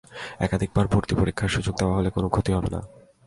একাধিকবার ভর্তি পরীক্ষার সুযোগ দেওয়া হলে কোনো ক্ষতি হবে না।